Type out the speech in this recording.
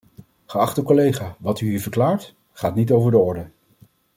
Geachte collega, wat u hier verklaart, gaat niet over de orde.